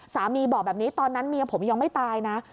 สามีบอกแบบนี้ตอนนั้นเมียผมยังไม่ตายนะ